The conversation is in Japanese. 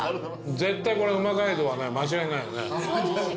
絶対これうま街道はね間違いないよね。